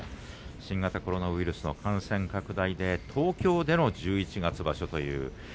新型コロナウイルスの感染拡大で東京での十一月場所という。